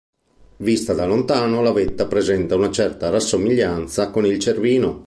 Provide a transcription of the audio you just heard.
Vista da lontano, la vetta presenta una certa rassomiglianza con il Cervino.